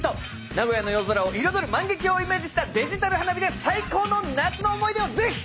名古屋の夜空を彩る万華鏡をイメージしたデジタル花火で最高の夏の思い出をぜひ！